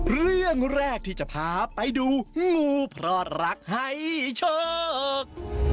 เรื่องแรกที่จะพาไปดูงูเพราะรักให้โชค